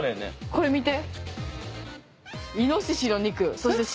これ見て。